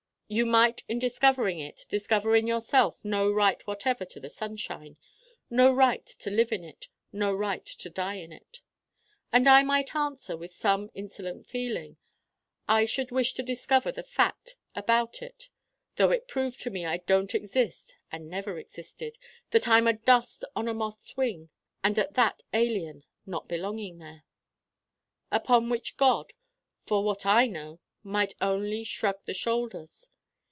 You might in discovering it discover in yourself no right whatever to the sunshine no right to live in it, no right to die in it.' And I might answer, with some insolent feeling: 'I should wish to discover the fact about it though it proved to me I don't exist and never existed that I'm a dust on a moth's wing, and at that alien not belonging there.' Upon which God, for what I know, might only shrug the shoulders.